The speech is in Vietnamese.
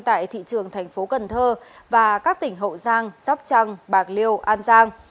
tại thị trường tp cn và các tỉnh hậu giang sóc trăng bạc liêu an giang